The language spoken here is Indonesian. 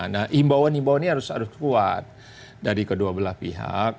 nah imbauan himbauan ini harus kuat dari kedua belah pihak